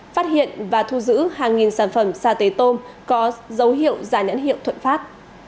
phát hiện và thu giữ hàng nghìn sản phẩm sa tế tôm có dấu hiệu giả nhãn hiệu thuận phát